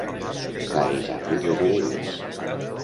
Clarejar-li les orelles.